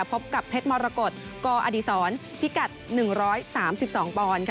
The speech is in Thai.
พบกับเพชรมรกฏกอดีศรพิกัด๑๓๒ปอนด์ค่ะ